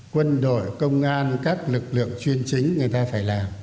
quân đội công an các lực lượng chuyên chính người ta phải làm